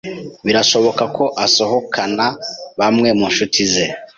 birashoboka ko asohokana na bamwe mu nshuti ze.